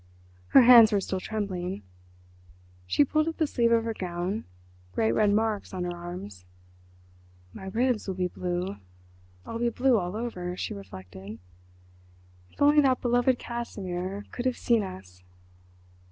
Her hands were still trembling. She pulled up the sleeve of her gown—great red marks on her arms. "My ribs will be blue. I'll be blue all over," she reflected. "If only that beloved Casimir could have seen us."